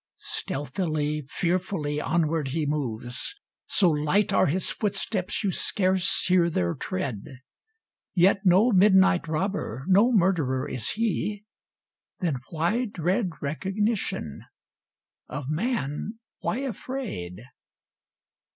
Stealthily, fearfully, onward he moves, So light are his footsteps you scarce hear their tread; Yet no midnight robber, no murderer is he, Then why dread recognition of man why afraid?